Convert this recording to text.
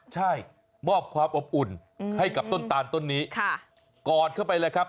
ใช่มอบความอบอุ่นให้กับต้นตาลต้นนี้กอดเข้าไปเลยครับ